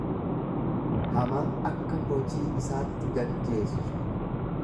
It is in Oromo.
Hamaa akka hojii isaatti gaggeessu.